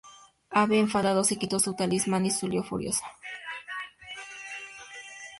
Abe, enfadado, se quitó su talismán y salió furioso.